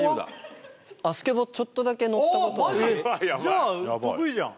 じゃあ得意じゃん